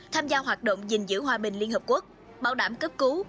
tham gia hoạt động gìn giữ hòa bình liên hợp quốc bảo đảm cấp cứu